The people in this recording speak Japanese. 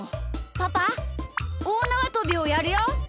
パパおおなわとびをやるよ！